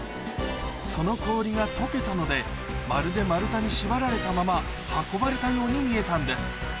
その氷が解けたのでまるで丸太に縛られたまま運ばれたように見えたんです